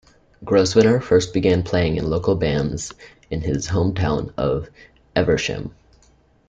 Grosvenor first began playing in local bands in his hometown of Evesham.